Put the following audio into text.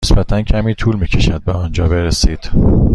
نسبتا کمی طول می کشد به آنجا برسید.